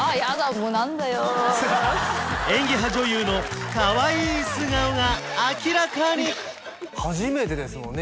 もう何だよ演技派女優のかわいい素顔が明らかに初めてですもんね